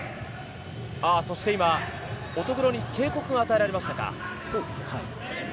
そして今、乙黒に警告が与えられましたか。